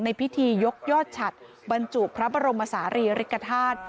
พิธียกยอดฉัดบรรจุพระบรมศาลีริกฐาตุ